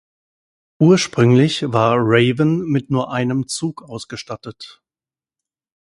Ursprünglich war Raven mit nur einem Zug ausgestattet.